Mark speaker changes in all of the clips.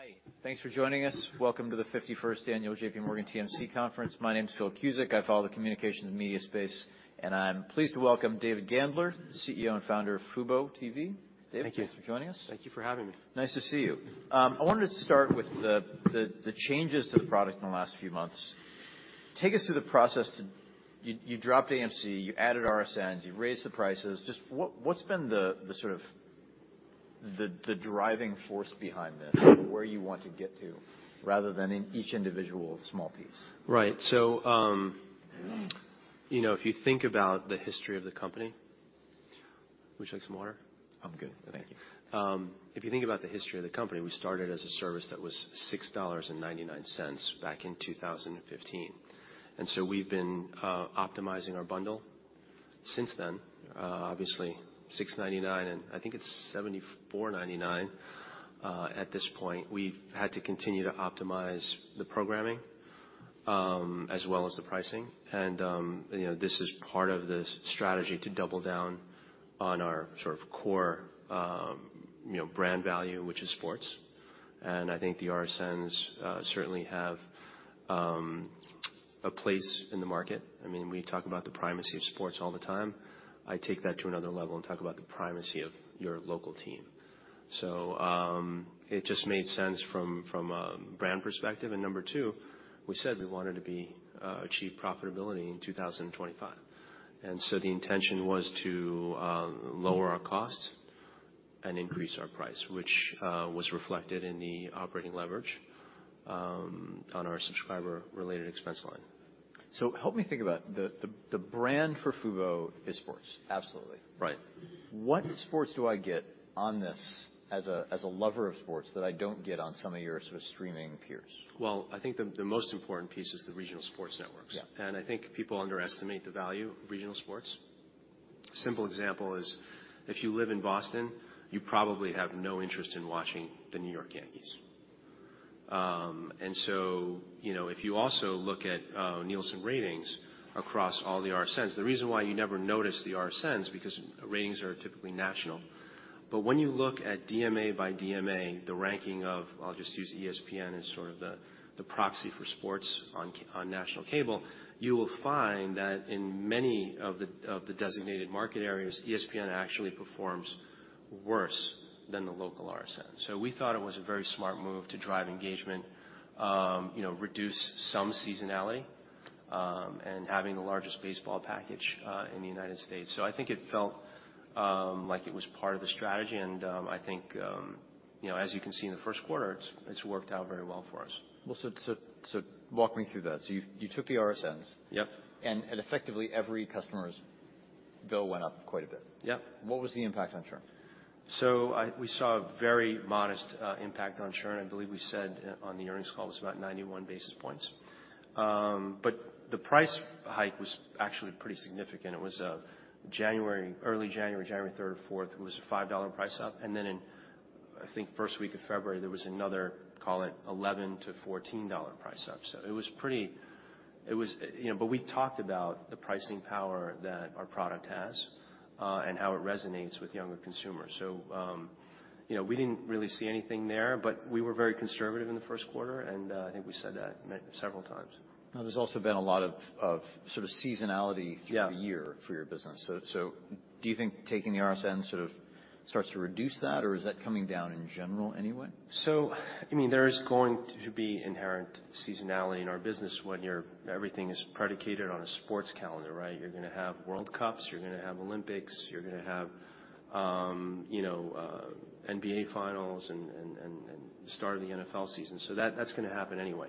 Speaker 1: Hi. Thanks for joining us. Welcome to the 51st Annual J.P. Morgan TMC Conference. My name's Phil Cusick, I follow the Communications Media Space, and I'm pleased to welcome David Gandler, CEO and Founder of fuboTV. David-
Speaker 2: Thank you.
Speaker 1: Thanks for joining us.
Speaker 2: Thank you for having me.
Speaker 1: Nice to see you. I wanted to start with the, the changes to the product in the last few months. Take us through the process to... You, you dropped AMC, you added RSNs, you've raised the prices. Just what's been the sort of the driving force behind this? Where you want to get to rather than in each individual small piece.
Speaker 2: You know, if you think about the history of the company... Would you like some water?
Speaker 1: I'm good. Thank you.
Speaker 2: If you think about the history of the company, we started as a service that was $6.99 back in 2015. we've been optimizing our bundle since then. Obviously, $6.99, and I think it's $74.99 at this point. We've had to continue to optimize the programming, as well as the pricing. you know, this is part of the strategy to double down on our sort of core, you know, brand value, which is sports. I think the RSNs certainly have a place in the market. I mean, we talk about the primacy of sports all the time. I take that to another level and talk about the primacy of your local team. it just made sense from a brand perspective. Number two, we said we wanted to achieve profitability in 2025. The intention was to lower our costs and increase our price, which was reflected in the operating leverage on our subscriber-related expense line.
Speaker 1: Help me think about the brand for fubo is sports.
Speaker 2: Absolutely.
Speaker 1: Right. What sports do I get on this as a, as a lover of sports that I don't get on some of your sort of streaming peers?
Speaker 2: Well, I think the most important piece is the Regional Sports Networks.
Speaker 1: Yeah.
Speaker 2: I think people underestimate the value of regional sports. Simple example is, if you live in Boston, you probably have no interest in watching the New York Yankees. You know, if you also look at Nielsen ratings across all the RSNs, the reason why you never notice the RSNs, because ratings are typically national. When you look at DMA by DMA, I'll just use ESPN as sort of the proxy for sports on national cable. You will find that in many of the, of the Designated Market Areas, ESPN actually performs worse than the local RSN. We thought it was a very smart move to drive engagement, you know, reduce some seasonality, and having the largest baseball package in the United States. I think it felt, like it was part of the strategy. I think, you know, as you can see in the first quarter, it's worked out very well for us.
Speaker 1: Well, walk me through that. You took the RSNs.
Speaker 2: Yep.
Speaker 1: And effectively every customer's bill went up quite a bit.
Speaker 2: Yep.
Speaker 1: What was the impact on churn?
Speaker 2: We saw a very modest impact on churn. I believe we said on the earnings call it was about 91 basis points. The price hike was actually pretty significant. It was January, early January 3rd, 4th, it was a $5 price up. In, I think, first week of February, there was another, call it $11-$14 price up. You know, we talked about the pricing power that our product has, and how it resonates with younger consumers. You know, we didn't really see anything there, but we were very conservative in the first quarter, and I think we said that several times.
Speaker 1: There's also been a lot of sort of seasonality.
Speaker 2: Yeah.
Speaker 1: -through the year for your business. Do you think taking the RSN sort of starts to reduce that, or is that coming down in general anyway?
Speaker 2: I mean, there is going to be inherent seasonality in our business when you're... everything is predicated on a sports calendar, right? You're gonna have World Cups, you're gonna have Olympics, you're gonna have, you know, NBA finals and start of the NFL season. That's gonna happen anyway.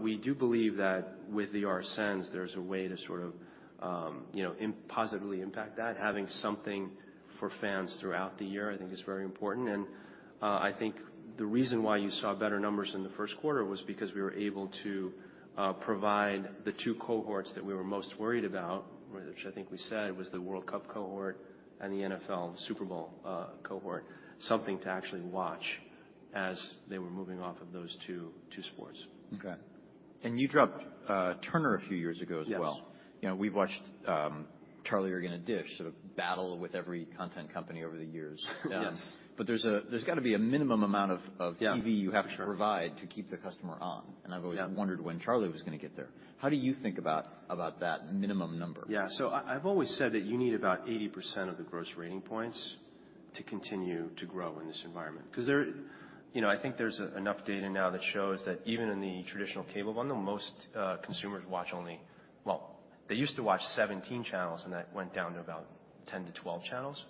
Speaker 2: We do believe that with the RSNs, there's a way to sort of, you know, positively impact that. Having something for fans throughout the year, I think is very important. I think the reason why you saw better numbers in the first quarter was because we were able to provide the two cohorts that we were most worried about, which I think we said was the World Cup cohort and the NFL Super Bowl cohort, something to actually watch as they were moving off of those two sports.
Speaker 1: Okay. you dropped Turner a few years ago as well.
Speaker 2: Yes.
Speaker 1: You know, we've watched, Charlie Ergen at Dish sort of battle with every content company over the years.
Speaker 2: Yes.
Speaker 1: There's got to be a minimum amount of.
Speaker 2: Yeah.
Speaker 1: TV you have to provide to keep the customer on.
Speaker 2: Yeah.
Speaker 1: I've always wondered when Charlie was gonna get there. How do you think about that minimum number?
Speaker 2: I've always said that you need about 80% of the gross rating points to continue to grow in this environment. 'Cause you know, I think there's enough data now that shows that even in the traditional cable bundle, most consumers watch they used to watch 17 channels, and that went down to about 10-12 channels.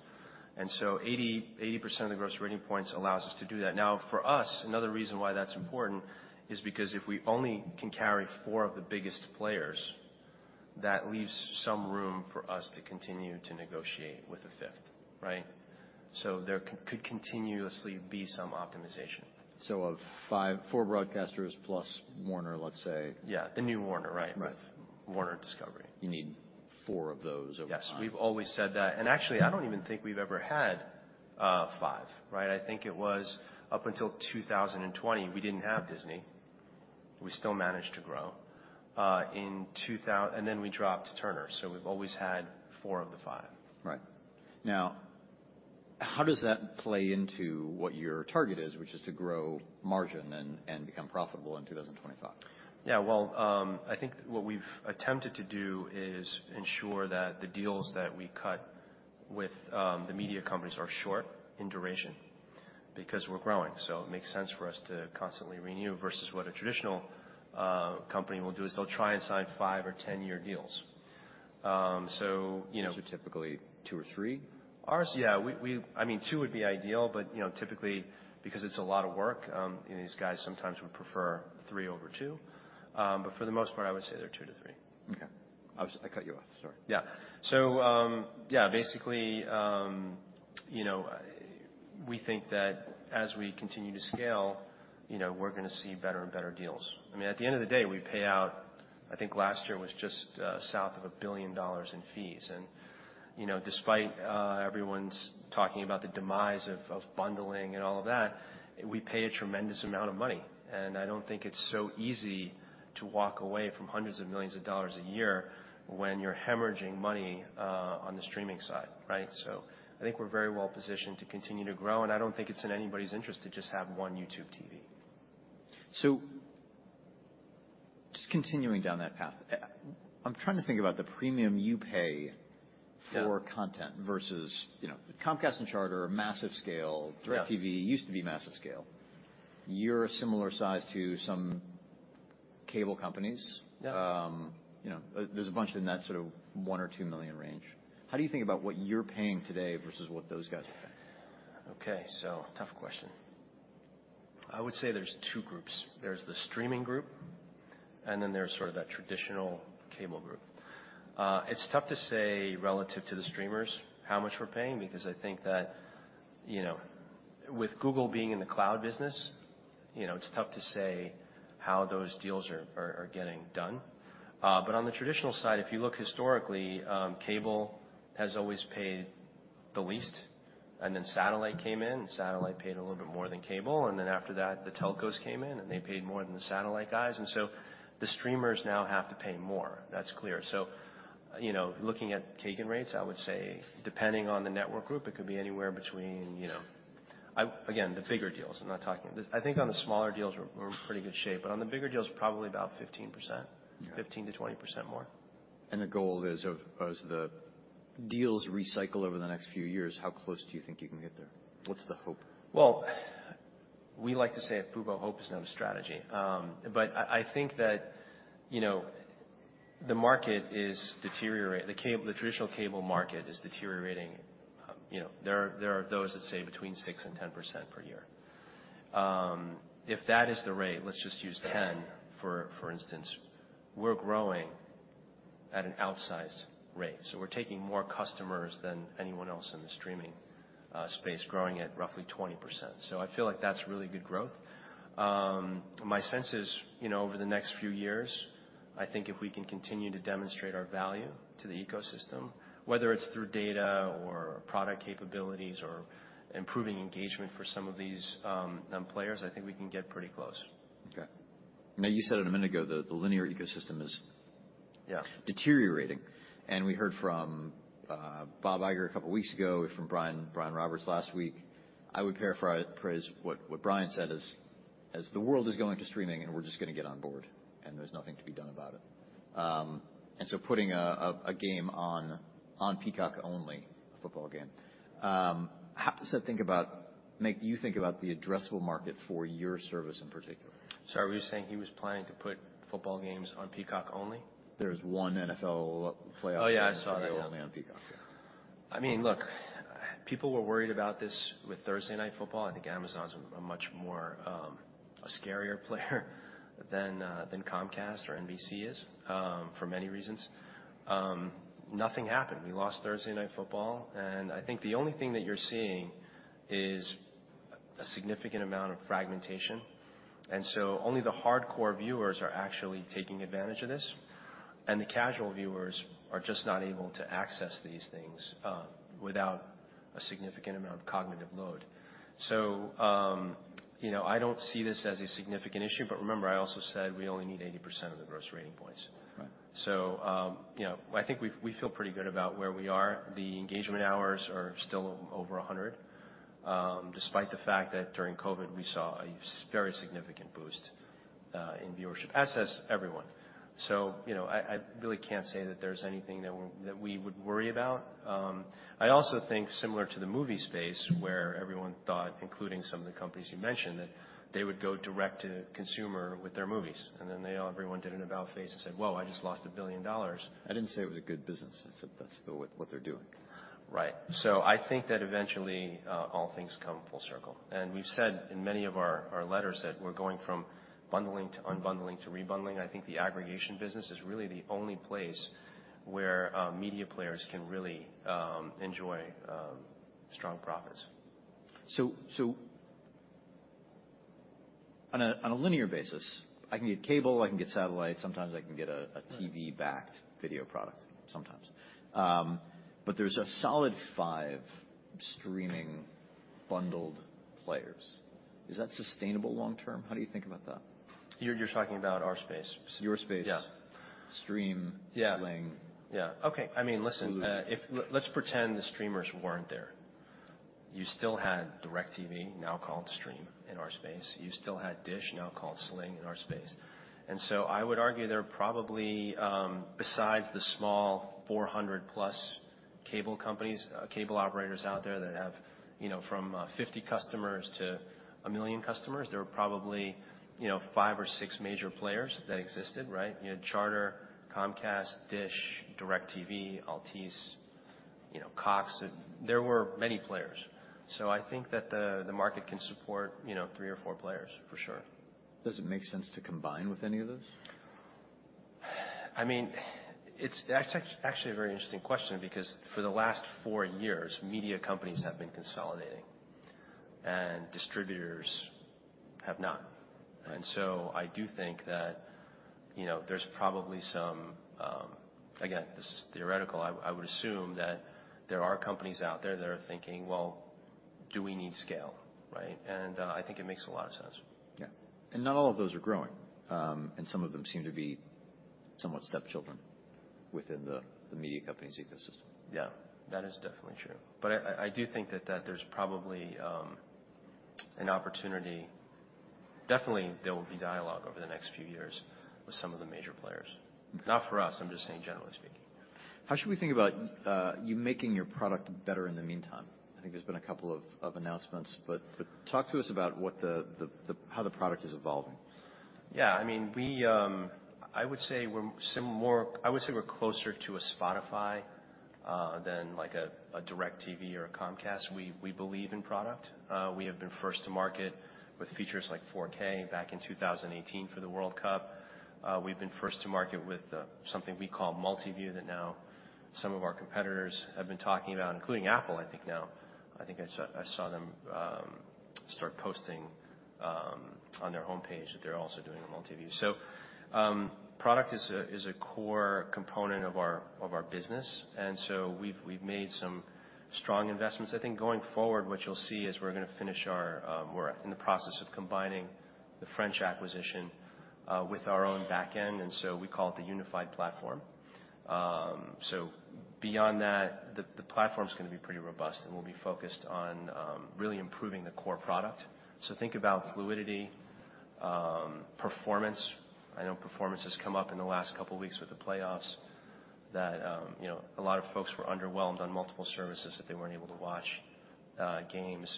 Speaker 2: 80% of the gross rating points allows us to do that. Now, for us, another reason why that's important is because if we only can carry 4 of the biggest players, that leaves some room for us to continue to negotiate with a fifth, right? There could continuously be some optimization.
Speaker 1: Of four broadcasters plus Warner, let's say.
Speaker 2: Yeah, the new Warner, right.
Speaker 1: Right.
Speaker 2: Warner Bros. Discovery.
Speaker 1: You need four of those over five.
Speaker 2: Yes, we've always said that. Actually, I don't even think we've ever had five, right? I think it was up until 2020, we didn't have Disney. We still managed to grow. Then we dropped Turner. We've always had four of the five.
Speaker 1: Right. How does that play into what your target is, which is to grow margin and become profitable in 2025?
Speaker 2: Yeah, well, I think what we've attempted to do is ensure that the deals that we cut with the media companies are short in duration because we're growing, so it makes sense for us to constantly renew versus what a traditional company will do is they'll try and sign 5 or 10-year deals. You know.
Speaker 1: These are typically two or three?
Speaker 2: Ours, yeah. I mean, two would be ideal, but, you know, typically because it's a lot of work. These guys sometimes would prefer three over two. For the most part, I would say they're two-three.
Speaker 1: Okay. I cut you off. Sorry.
Speaker 2: Basically, you know, we think that as we continue to scale, you know, we're gonna see better and better deals. I mean, at the end of the day, we pay out, I think last year was just south of $1 billion in fees. You know, despite everyone's talking about the demise of bundling and all of that, we pay a tremendous amount of money. I don't think it's so easy to walk away from hundreds of millions of dollars a year when you're hemorrhaging money on the streaming side, right? I think we're very well positioned to continue to grow, and I don't think it's in anybody's interest to just have one YouTube TV.
Speaker 1: Just continuing down that path. I'm trying to think about the premium you pay-
Speaker 2: Yeah
Speaker 1: for content versus, you know, Comcast and Charter are massive scale.
Speaker 2: Yeah.
Speaker 1: DirecTV used to be massive scale. You're a similar size to some cable companies.
Speaker 2: Yeah.
Speaker 1: You know, there's a bunch in that sort of $1 million or $2 million range. How do you think about what you're paying today versus what those guys are paying?
Speaker 2: Okay, tough question. I would say there's two groups. There's the streaming group, then there's sort of that traditional cable group. It's tough to say relative to the streamers how much we're paying because I think that, you know, with Google being in the cloud business, you know, it's tough to say how those deals are getting done. On the traditional side, if you look historically, cable has always paid the least, then satellite came in, satellite paid a little bit more than cable, then after that, the telcos came in, they paid more than the satellite guys. The streamers now have to pay more. That's clear. You know, looking at Kagan rates, I would say depending on the network group, it could be anywhere between, you know... Again, the bigger deals, I think on the smaller deals we're in pretty good shape, but on the bigger deals, probably about 15%.
Speaker 1: Yeah.
Speaker 2: 15%-20% more.
Speaker 1: The goal is of, as the deals recycle over the next few years, how close do you think you can get there? What's the hope?
Speaker 2: Well, we like to say at fubo, hope is not a strategy. I think that, you know, the market is deteriorate. The traditional cable market is deteriorating. you know, there are those that say between 6% and 10% per year. If that is the rate, let's just use 10 for instance. We're growing at an outsized rate. We're taking more customers than anyone else in the streaming space, growing at roughly 20%. I feel like that's really good growth. My sense is, you know, over the next few years, I think if we can continue to demonstrate our value to the ecosystem, whether it's through data or product capabilities or improving engagement for some of these players, I think we can get pretty close.
Speaker 1: Okay. Now, you said it a minute ago, the linear ecosystem is-
Speaker 2: Yeah...
Speaker 1: deteriorating. We heard from Bob Iger couple of weeks ago, from Brian Roberts last week. I would paraphrase what Brian said is, the world is going to streaming we're just gonna get on board, there's nothing to be done about it. Putting a game on Peacock only, a football game. How does that make you think about the addressable market for your service in particular?
Speaker 2: Sorry, were you saying he was planning to put football games on Peacock only?
Speaker 1: There's one NFL playoff game.
Speaker 2: Oh, yeah, I saw that.
Speaker 1: that's only on Peacock, yeah.
Speaker 2: I mean, look, people were worried about this with Thursday Night Football. I think Amazon's a much more, a scarier player than Comcast or NBC is, for many reasons. Nothing happened. We lost Thursday Night Football, and I think the only thing that you're seeing is a significant amount of fragmentation. Only the hardcore viewers are actually taking advantage of this, and the casual viewers are just not able to access these things, without a significant amount of cognitive load. You know, I don't see this as a significant issue, but remember, I also said we only need 80% of the gross rating points.
Speaker 1: Right.
Speaker 2: You know, I think we feel pretty good about where we are. The engagement hours are still over 100, despite the fact that during COVID we saw a very significant boost in viewership, as has everyone. You know, I really can't say that there's anything that we would worry about. I also think similar to the movie space where everyone thought, including some of the companies you mentioned, that they would go direct to consumer with their movies, and then everyone did an about-face and said, "Whoa, I just lost $1 billion.
Speaker 1: I didn't say it was a good business. I said that's what they're doing.
Speaker 2: Right. I think that eventually, all things come full circle. We've said in many of our letters that we're going from bundling to unbundling to rebundling. I think the aggregation business is really the only place where media players can really enjoy strong profits.
Speaker 1: On a linear basis, I can get cable, I can get satellite, sometimes I can get a TV-backed video product sometimes. There's a solid five streaming-bundled players. Is that sustainable long term? How do you think about that?
Speaker 2: You're talking about our space.
Speaker 1: Your space.
Speaker 2: Yeah.
Speaker 1: Stream.
Speaker 2: Yeah.
Speaker 1: Sling.
Speaker 2: Yeah. Okay. I mean, listen, let's pretend the streamers weren't there. You still had DirecTV, now called Stream, in our space. You still had Dish, now called Sling, in our space. I would argue there are probably, besides the small 400+ cable companies, cable operators out there that have, you know, from 50 customers to 1 million customers, there are probably, you know, five or six major players that existed, right? You had Charter, Comcast, Dish, DirecTV, Altice, you know, Cox. There were many players. I think that the market can support, you know, three or four players for sure.
Speaker 1: Does it make sense to combine with any of those?
Speaker 2: I mean, it's actually a very interesting question because for the last four years, media companies have been consolidating and distributors have not. I do think that, you know, there's probably some. Again, this is theoretical. I would assume that there are companies out there that are thinking, "Well, do we need scale?" Right? I think it makes a lot of sense.
Speaker 1: Yeah. Not all of those are growing. Some of them seem to be somewhat stepchildren within the media company's ecosystem.
Speaker 2: Yeah, that is definitely true. I do think that there's probably an opportunity. Definitely there will be dialogue over the next few years with some of the major players. Not for us, I'm just saying generally speaking.
Speaker 1: How should we think about you making your product better in the meantime? I think there's been a couple of announcements, but talk to us about how the product is evolving.
Speaker 2: Yeah, I mean, we I would say we're closer to a Spotify than like a DirecTV or a Comcast. We believe in product. We have been first to market with features like 4K back in 2018 for the World Cup. We've been first to market with something we call Multiview that now some of our competitors have been talking about, including Apple, I think now. I think I saw them start posting on their homepage that they're also doing a Multiview. Product is a core component of our business, we've made some strong investments. I think going forward, what you'll see is we're gonna finish our. We're in the process of combining the French acquisition with our own backend. We call it the Unified Platform. Beyond that, the platform's gonna be pretty robust, and we'll be focused on really improving the core product. Think about fluidity, performance. I know performance has come up in the last couple of weeks with the playoffs that, you know, a lot of folks were underwhelmed on multiple services that they weren't able to watch games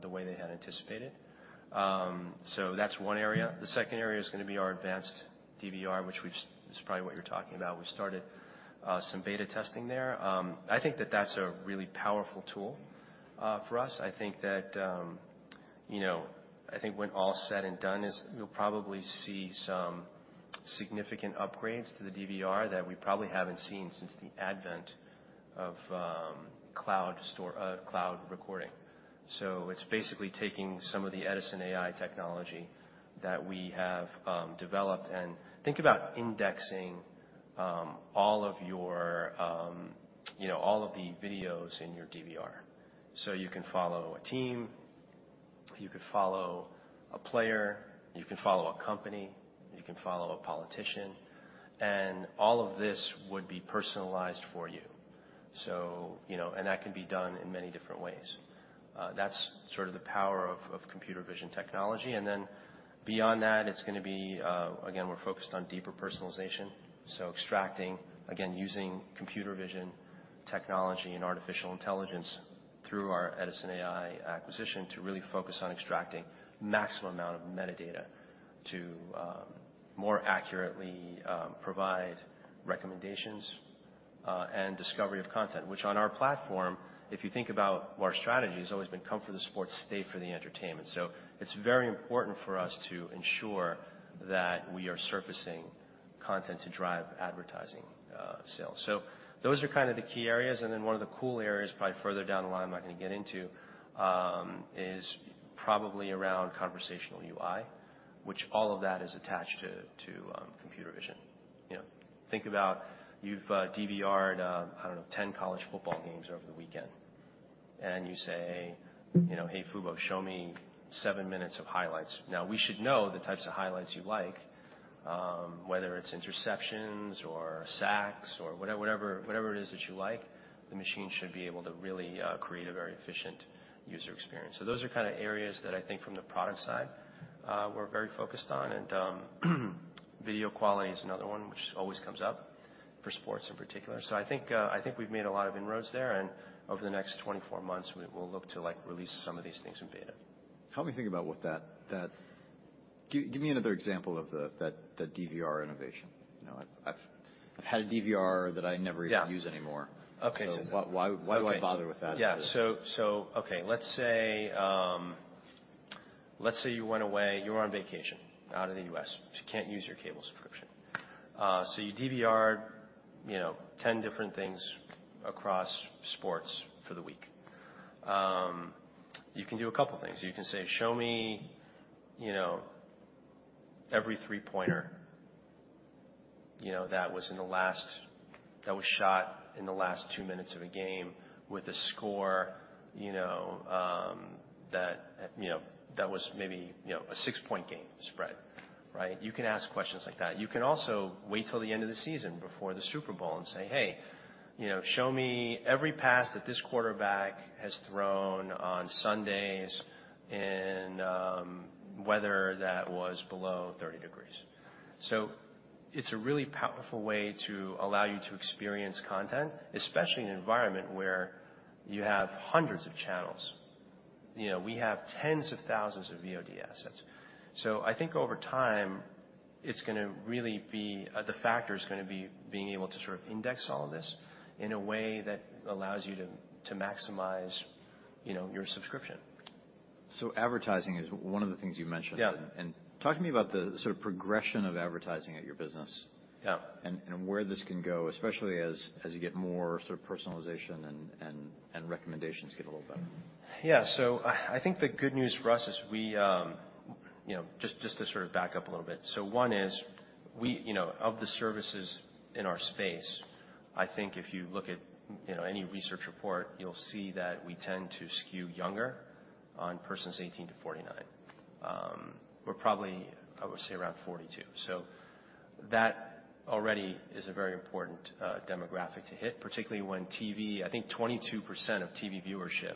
Speaker 2: the way they had anticipated. That's one area. The second area is gonna be our advanced DVR, which is probably what you're talking about. We started some beta testing there. I think that that's a really powerful tool for us. I think that, you know... I think when all is said and done is you'll probably see some significant upgrades to the DVR that we probably haven't seen since the advent of cloud recording. It's basically taking some of the Edisn.ai technology that we have developed and think about indexing, you know, all of the videos in your DVR. You can follow a team, you can follow a player, you can follow a company, you can follow a politician, and all of this would be personalized for you. You know. That can be done in many different ways. That's sort of the power of computer vision technology. Beyond that, Again, we're focused on deeper personalization. Extracting. Using computer vision technology and artificial intelligence through our Edisn.ai acquisition to really focus on extracting maximum amount of metadata to more accurately provide recommendations and discovery of content. On our platform, if you think about our strategy, has always been come for the sport, stay for the entertainment. It's very important for us to ensure that we are surfacing content to drive advertising sales. Those are kind of the key areas. One of the cool areas, probably further down the line I'm not gonna get into, is probably around conversational UI, which all of that is attached to computer vision. You know, think about you've DVR'd, I don't know, 10 college football games over the weekend. You say, you know, "Hey, fubo, show me seven minutes of highlights." We should know the types of highlights you like, whether it's interceptions or sacks or whatever it is that you like, the machine should be able to really create a very efficient user experience. Those are kinda areas that I think from the product side, we're very focused on. Video quality is another one which always comes up for sports in particular. I think, I think we've made a lot of inroads there, and over the next 24 months, we will look to, like, release some of these things in beta.
Speaker 1: Help me think about what that give me another example of the DVR innovation. You know, I've had a DVR that I never even use anymore.
Speaker 2: Yeah. Okay.
Speaker 1: Why do I bother with that?
Speaker 2: Yeah. Okay, let's say, let's say you went away. You're on vacation out of the U.S., you can't use your cable subscription. You DVR'd, you know, 10 different things across sports for the week. You can do a couple things. You can say, "Show me, you know, every three-pointer, you know, that was shot in the last two minutes of a game with a score, you know, that, you know, that was maybe, you know, a 6-point game spread, right?" You can ask questions like that. You can also wait 'til the end of the season before the Super Bowl and say, "Hey, you know, show me every pass that this quarterback has thrown on Sundays in weather that was below 30 degrees." It's a really powerful way to allow you to experience content, especially in an environment where you have hundreds of channels. You know, we have tens of thousands of VOD assets. I think over time, it's gonna really be the factor's gonna be being able to sort of index all of this in a way that allows you to maximize, you know, your subscription.
Speaker 1: Advertising is one of the things you mentioned.
Speaker 2: Yeah.
Speaker 1: Talk to me about the sort of progression of advertising at your business.
Speaker 2: Yeah
Speaker 1: and where this can go, especially as you get more sort of personalization and recommendations get a little better.
Speaker 2: Yeah. I think the good news for us is we, you know, just to sort of back up a little bit. One is we, you know, of the services in our space, I think if you look at, you know, any research report, you'll see that we tend to skew younger on persons 18-49. We're probably, I would say around 42. That already is a very important demographic to hit, particularly when TV. I think 22% of TV viewership,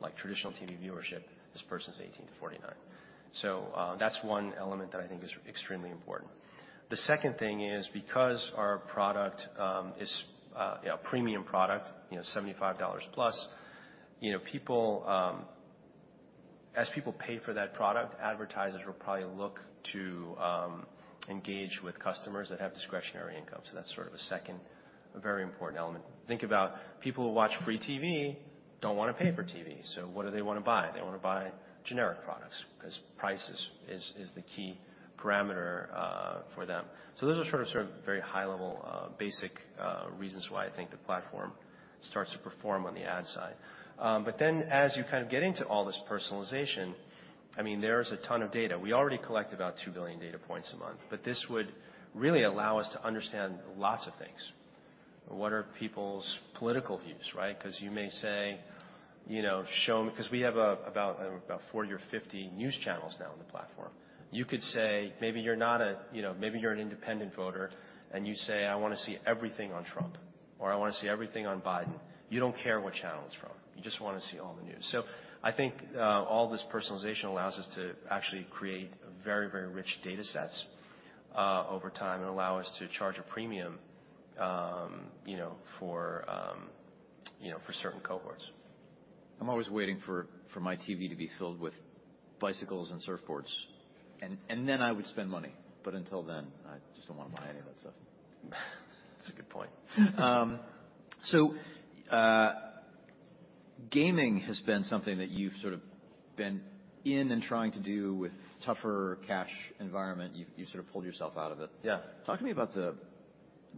Speaker 2: like traditional TV viewership, is persons 18-49. That's one element that I think is extremely important. The second thing is because our product is, you know, a premium product, you know, $75+, you know, people. As people pay for that product, advertisers will probably look to engage with customers that have discretionary income. That's sort of a second, very important element. Think about people who watch free TV don't wanna pay for TV, what do they wanna buy? They wanna buy generic products 'cause price is the key parameter for them. Those are sort of very high level, basic reasons why I think the platform starts to perform on the ad side. Then as you kind of get into all this personalization, I mean, there is a ton of data. We already collect about 2 billion data points a month, but this would really allow us to understand lots of things. What are people's political views, right? 'Cause you may say, you know, show... 'Cause we have about 40 or 50 news channels now on the platform. You could say, maybe you're not a, you know, maybe you're an independent voter and you say, "I wanna see everything on Trump," or, "I wanna see everything on Biden." You don't care what channel it's from. You just wanna see all the news. I think all this personalization allows us to actually create very rich data sets over time and allow us to charge a premium, you know, for, you know, for certain cohorts.
Speaker 1: I'm always waiting for my TV to be filled with bicycles and surfboards and then I would spend money, but until then, I just don't wanna buy any of that stuff.
Speaker 2: That's a good point.
Speaker 1: Gaming has been something that you've sort of been in and trying to do with tougher cash environment. You've sort of pulled yourself out of it.
Speaker 2: Yeah.
Speaker 1: Talk to me about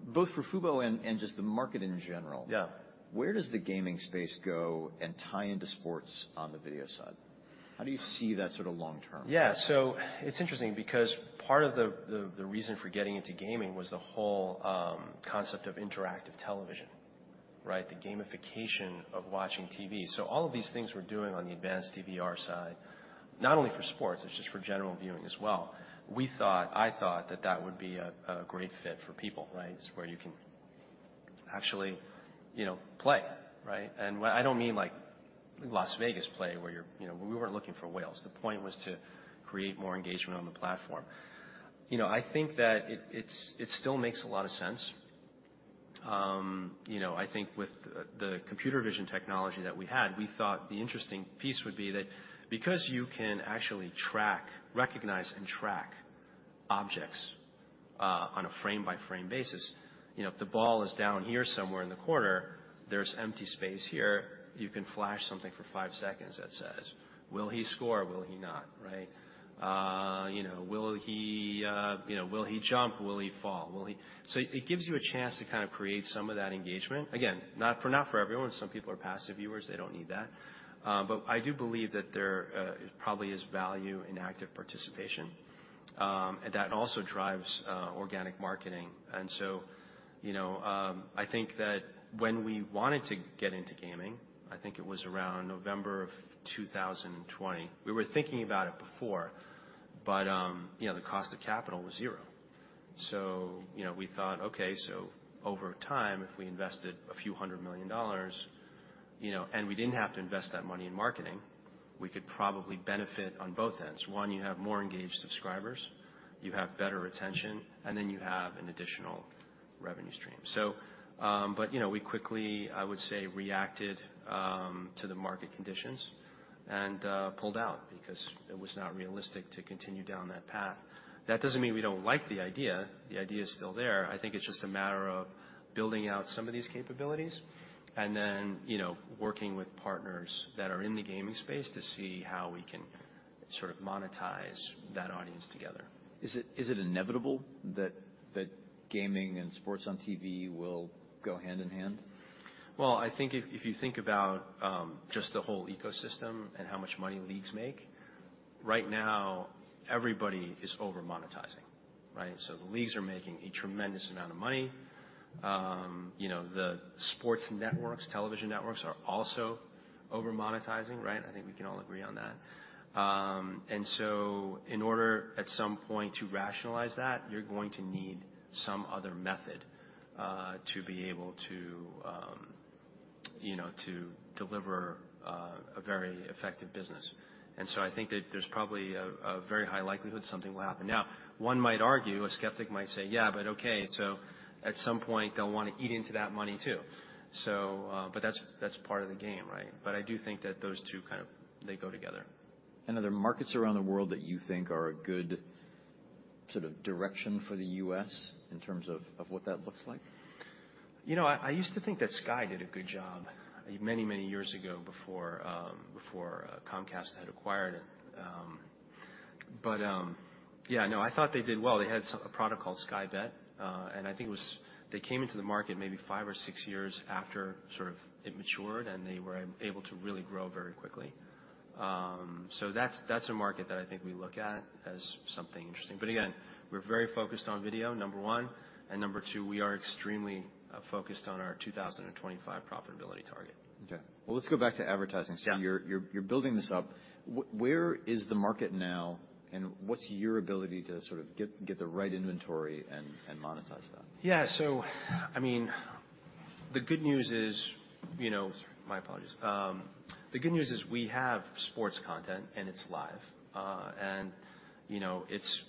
Speaker 1: both for fubo and just the market in general.
Speaker 2: Yeah.
Speaker 1: Where does the gaming space go and tie into sports on the video side? How do you see that sort of long term?
Speaker 2: Yeah. It's interesting because part of the reason for getting into gaming was the whole concept of interactive television, right? The gamification of watching TV. All of these things we're doing on the advanced DVR side, not only for sports, it's just for general viewing as well. I thought that that would be a great fit for people, right? It's where you can actually, you know, play, right? I don't mean like Las Vegas play where you're, you know. We weren't looking for whales. The point was to create more engagement on the platform. You know, I think that it still makes a lot of sense. You know, I think with the computer vision technology that we had, we thought the interesting piece would be that because you can actually track, recognize and track objects on a frame-by-frame basis, you know, if the ball is down here somewhere in the corner, there's empty space here, you can flash something for five seconds that says, "Will he score? Will he not?" Right? You know, "Will he jump? Will he fall? Will he..." It gives you a chance to kind of create some of that engagement. Again, not for everyone. Some people are passive viewers. They don't need that. I do believe that there probably is value in active participation. That also drives organic marketing. You know, I think that when we wanted to get into gaming, I think it was around November of 2020. We were thinking about it before, you know, the cost of capital was zero. You know, we thought, okay, over time, if we invested a few hundred million dollars, you know, and we didn't have to invest that money in marketing, we could probably benefit on both ends. One, you have more engaged subscribers, you have better retention, and then you have an additional revenue stream. You know, we quickly, I would say, reacted to the market conditions and pulled out because it was not realistic to continue down that path. That doesn't mean we don't like the idea. The idea is still there. I think it's just a matter of building out some of these capabilities and then, you know, working with partners that are in the gaming space to see how we can sort of monetize that audience together.
Speaker 1: Is it inevitable that gaming and sports on TV will go hand in hand?
Speaker 2: Well, I think if you think about, just the whole ecosystem and how much money leagues make. Right now everybody is over monetizing, right. The leagues are making a tremendous amount of money. You know, the sports networks, television networks are also over monetizing, right. I think we can all agree on that. In order at some point to rationalize that you're going to need some other method, to be able to, you know, to deliver, a very effective business. I think that there's probably a very high likelihood something will happen. One might argue, a skeptic might say, "Yeah, but okay, at some point they'll wanna eat into that money too." But that's part of the game, right. I do think that those two kind of they go together.
Speaker 1: Are there markets around the world that you think are a good sort of direction for the U.S. in terms of what that looks like?
Speaker 2: You know, I used to think that Sky did a good job many, many years ago before before Comcast had acquired it. Yeah, no, I thought they did well. They had a product called Sky Bet. I think they came into the market maybe five or six years after sort of it matured, and they were able to really grow very quickly. That's, that's a market that I think we look at as something interesting. Again, we're very focused on video, number one, and number two, we are extremely focused on our 2025 profitability target.
Speaker 1: Okay, well, let's go back to advertising.
Speaker 2: Yeah.
Speaker 1: You're building this up. Where is the market now, and what's your ability to sort of get the right inventory and monetize that?
Speaker 2: Yeah. I mean, the good news is, you know. My apologies. The good news is we have sports content, and it's live. You know, it's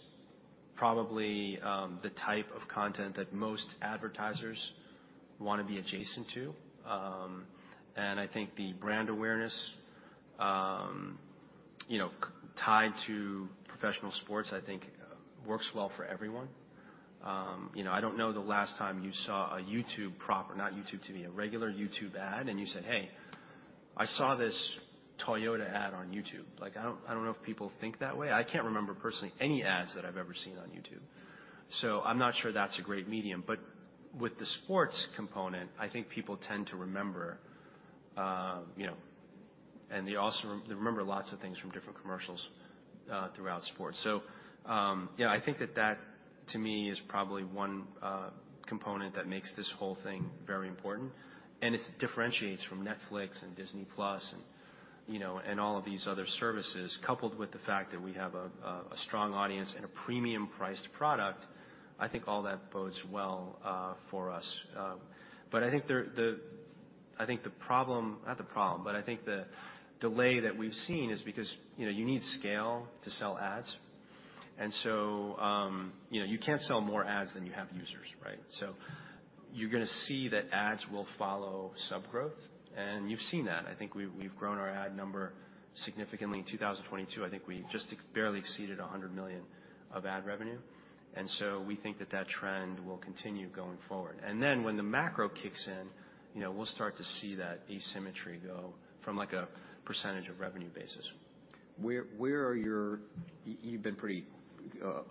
Speaker 2: probably the type of content that most advertisers wanna be adjacent to. I think the brand awareness, you know, tied to professional sports, I think works well for everyone. You know, I don't know the last time you saw a YouTube proper, not YouTube TV, a regular YouTube ad, and you said, "Hey, I saw this Toyota ad on YouTube." Like, I don't know if people think that way. I can't remember personally any ads that I've ever seen on YouTube. I'm not sure that's a great medium. With the sports component, I think people tend to remember, you know, and they also remember lots of things from different commercials throughout sports. Yeah, I think that that to me is probably one component that makes this whole thing very important, and it differentiates from Netflix and Disney+ and, you know, and all of these other services. Coupled with the fact that we have a strong audience and a premium priced product, I think all that bodes well for us. But I think there, the delay that we've seen is because, you know, you need scale to sell ads. So, you know, you can't sell more ads than you have users, right? You're gonna see that ads will follow sub growth, and you've seen that. I think we've grown our ad number significantly. In 2022, I think we just barely exceeded $100 million of ad revenue. We think that that trend will continue going forward. When the macro kicks in, you know, we'll start to see that asymmetry go from like a percentage of revenue basis.
Speaker 1: You've been pretty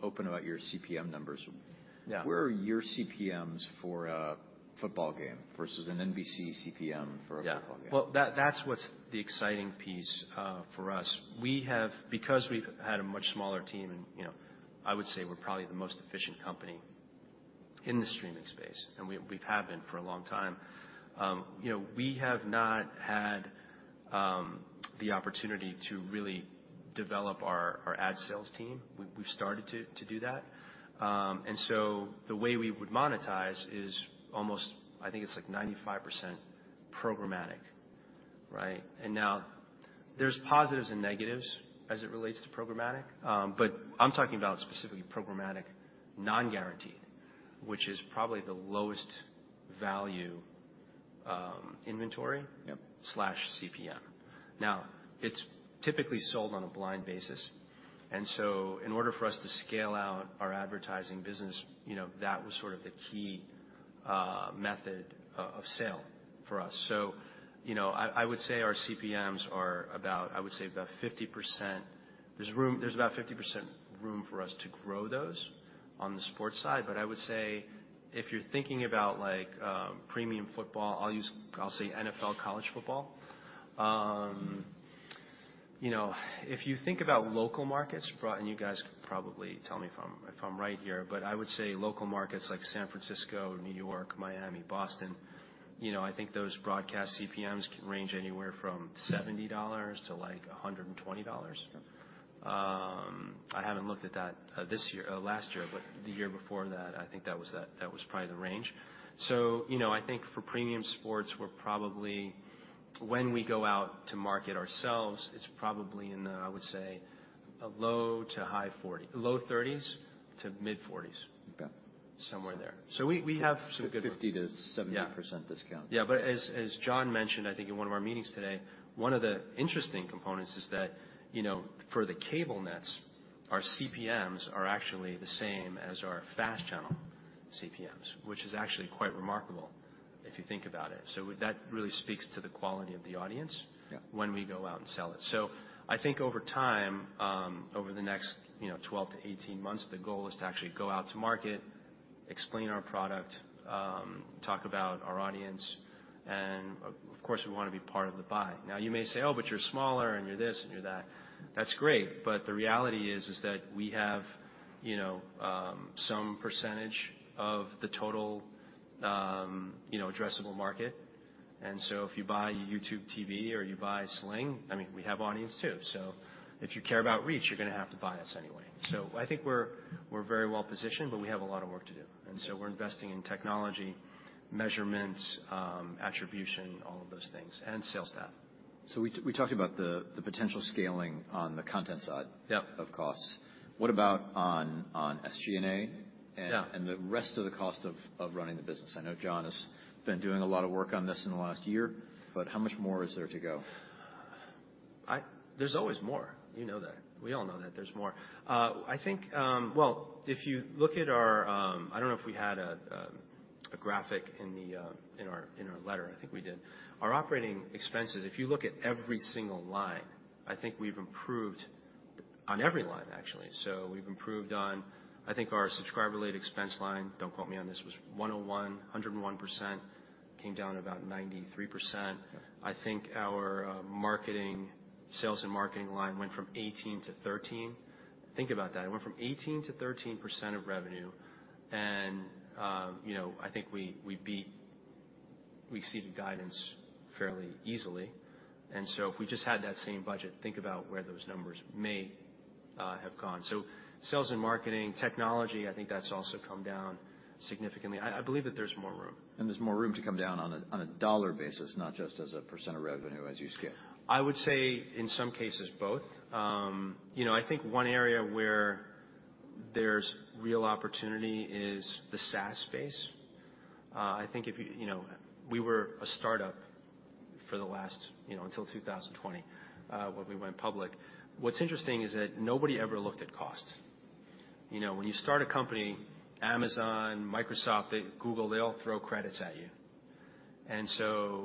Speaker 1: open about your CPM numbers.
Speaker 2: Yeah.
Speaker 1: Where are your CPMs for a football game versus an NBC CPM for a football game?
Speaker 2: Yeah. Well, that's what's the exciting piece for us. Because we've had a much smaller team and, you know, I would say we're probably the most efficient company in the streaming space, and we have been for a long time. You know, we have not had the opportunity to really develop our ad sales team. We've started to do that. The way we would monetize is almost, I think it's like 95% programmatic, right? Now there's positives and negatives as it relates to programmatic. I'm talking about specifically programmatic non-guaranteed, which is probably the lowest value inventory.
Speaker 1: Yep
Speaker 2: CPM. It's typically sold on a blind basis. In order for us to scale out our advertising business, you know, that was sort of the key method of sale for us. You know, I would say our CPMs are about, I would say about 50%. There's about 50% room for us to grow those on the sports side. I would say if you're thinking about like premium football, I'll say NFL college football. You know, if you think about local markets, and you guys can probably tell me if I'm right here, I would say local markets like San Francisco, New York, Miami, Boston, you know, I think those broadcast CPMs can range anywhere from $70 to like $120. I haven't looked at that, this year, last year, but the year before that, I think that was probably the range. You know, I think for premium sports, we're probably, when we go out to market ourselves, it's probably in the, I would say a low to high $40. Low $30s to mid-$40s.
Speaker 1: Okay.
Speaker 2: Somewhere in there. We have some.
Speaker 1: 50%-70% discount.
Speaker 2: Yeah. Yeah, as John mentioned, I think in one of our meetings today, one of the interesting components is that, you know, for the cable nets, our CPMs are actually the same as our FAST channel CPMs, which is actually quite remarkable if you think about it. That really speaks to the quality of the audience.
Speaker 1: Yeah...
Speaker 2: when we go out and sell it. I think over time, over the next, you know, 12-18 months, the goal is to actually go out to market, explain our product, talk about our audience, and of course, we wanna be part of the buy. Now, you may say, "Oh, but you're smaller, and you're this and you're that." That's great, but the reality is that we have, you know, some percentage of the total, you know, addressable market. If you buy YouTube TV or you buy Sling, I mean, we have audience too. If you care about reach, you're gonna have to buy us anyway. I think we're very well-positioned, but we have a lot of work to do. We're investing in technology, measurements, attribution, all of those things, and sales staff.
Speaker 1: We talked about the potential scaling on the content side.
Speaker 2: Yep...
Speaker 1: of costs. What about on SG&A?
Speaker 2: Yeah
Speaker 1: and the rest of the cost of running the business? I know John has been doing a lot of work on this in the last year, but how much more is there to go?
Speaker 2: There's always more. You know that. We all know that there's more. I think, well, if you look at our, I don't know if we had a graphic in the in our letter. I think we did. Our operating expenses, if you look at every single line, I think we've improved on every line actually. We've improved on, I think our subscriber-related expense line, don't quote me on this, was 101%, came down to about 93%.
Speaker 1: Yeah.
Speaker 2: I think our marketing, sales and marketing line went from 18%-13%. Think about that. It went from 18%-13% of revenue and, you know, I think we exceeded guidance fairly easily. If we just had that same budget, think about where those numbers may have gone. Sales and marketing. Technology, I think that's also come down significantly. I believe that there's more room.
Speaker 1: There's more room to come down on a dollar basis, not just as a % of revenue as you scale.
Speaker 2: I would say in some cases, both. you know, I think one area where there's real opportunity is the SaaS space. I think if you know. We were a startup for the last, you know, until 2020 when we went public. What's interesting is that nobody ever looked at cost. You know, when you start a company, Amazon, Microsoft, they Google, they all throw credits at you.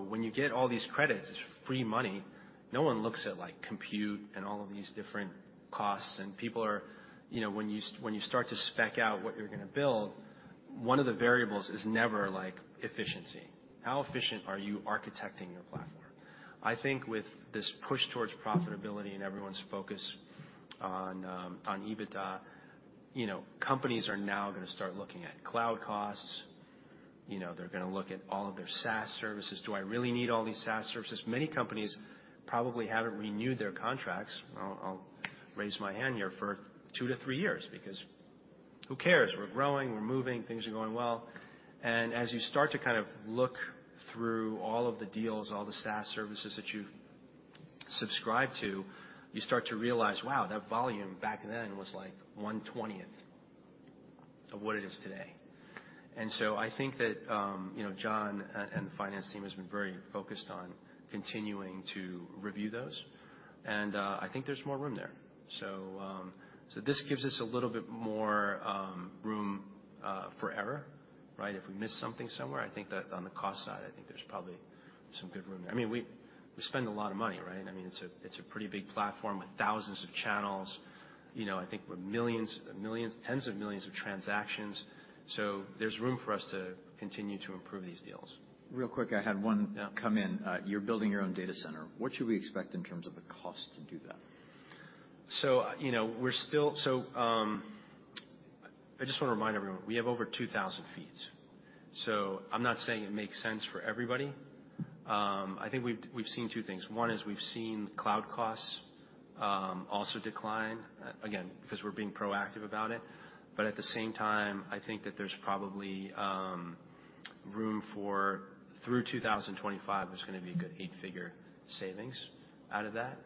Speaker 2: When you get all these credits, it's free money, no one looks at like compute and all of these different costs. People are, you know, when you start to spec out what you're gonna build, one of the variables is never like efficiency. How efficient are you architecting your platform? I think with this push towards profitability and everyone's focus on EBITDA, you know, companies are now gonna start looking at cloud costs. You know, they're gonna look at all of their SaaS services. Do I really need all these SaaS services? Many companies probably haven't renewed their contracts, I'll raise my hand here, for two-three years because who cares? We're growing, we're moving, things are going well. As you start to kind of look through all of the deals, all the SaaS services that you've subscribed to, you start to realize, wow, that volume back then was like 1/20th of what it is today. I think that, you know, John and the finance team has been very focused on continuing to review those, and I think there's more room there. This gives us a little bit more room for error, right? If we miss something somewhere, I think that on the cost side, I think there's probably some good room. I mean, we spend a lot of money, right? I mean, it's a pretty big platform with thousands of channels. You know, I think we're millions, tens of millions of transactions. There's room for us to continue to improve these deals.
Speaker 1: Real quick, I had one.
Speaker 2: Yeah...
Speaker 1: come in. You're building your own data center. What should we expect in terms of the cost to do that?
Speaker 2: You know, I just want to remind everyone, we have over 2,000 feeds, so I'm not saying it makes sense for everybody. I think we've seen two things. One is we've seen cloud costs also decline again because we're being proactive about it. At the same time, I think that there's probably room for. Through 2025, there's going to be a good eight-figure savings out of that.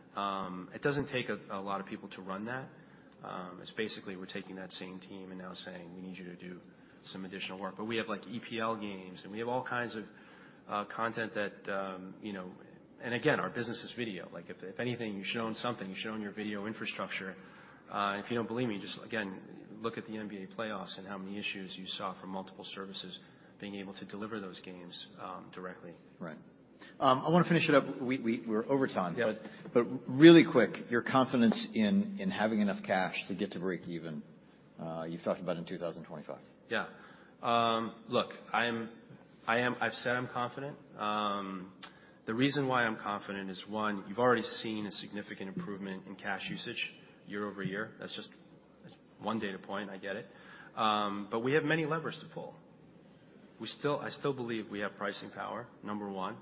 Speaker 2: It doesn't take a lot of people to run that. It's basically we're taking that same team and now saying, "We need you to do some additional work." We have like EPL games, and we have all kinds of content that, you know. Again, our business is video. Like if anything, you should own something, you should own your video infrastructure. If you don't believe me, just again, look at the NBA playoffs and how many issues you saw from multiple services being able to deliver those games, directly.
Speaker 1: Right. I wanna finish it up. We're over time.
Speaker 2: Yeah.
Speaker 1: Really quick, your confidence in having enough cash to get to break even, you've talked about in 2025.
Speaker 2: Yeah. Look, I've said I'm confident. The reason why I'm confident is, one, you've already seen a significant improvement in cash usage year-over-year. That's just, that's 1 data point. I get it. We have many levers to pull. I still believe we have pricing power, number one.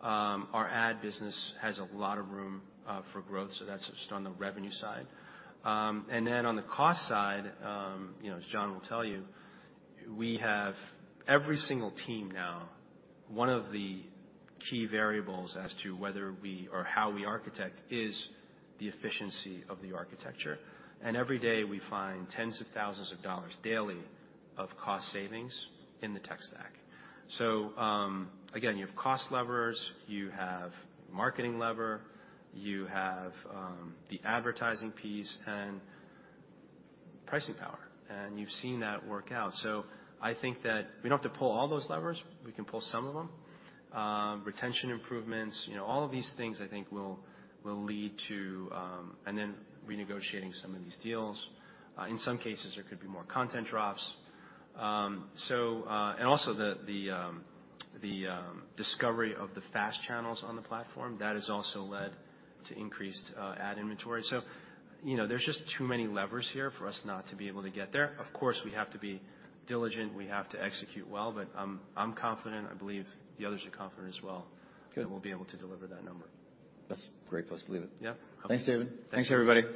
Speaker 2: Our ad business has a lot of room for growth, so that's just on the revenue side. Then on the cost side, you know, as John will tell you, we have every single team now, one of the key variables as to whether we or how we architect is the efficiency of the architecture. Every day we find tens of thousands of dollars daily of cost savings in the tech stack. Again, you have cost levers, you have marketing lever, you have the advertising piece and pricing power, and you've seen that work out. I think that we don't have to pull all those levers. We can pull some of them. Retention improvements. You know, all of these things I think will lead to. Then renegotiating some of these deals. In some cases, there could be more content drops. And also the discovery of the FAST channels on the platform, that has also led to increased ad inventory. You know, there's just too many levers here for us not to be able to get there. Of course, we have to be diligent. We have to execute well. But I'm confident. I believe the others are confident as well.
Speaker 1: Good
Speaker 2: that we'll be able to deliver that number.
Speaker 1: That's a great place to leave it.
Speaker 2: Yep.
Speaker 1: Thanks, David.
Speaker 2: Thanks.
Speaker 1: Thanks, everybody.